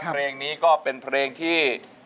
เพลงนี้ก็เป็นเพลงที่